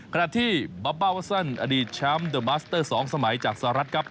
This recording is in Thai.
ขณะที่บับบ้าวาซันอดีตแชมป์เดอร์มาสเตอร์๒สมัยจากสหรัฐครับ